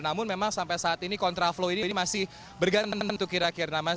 namun memang sampai saat ini kontra flow ini masih bergantung untuk kira kira